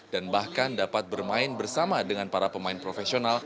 dan bahkan dapat bermain bersama dengan para pemain profesional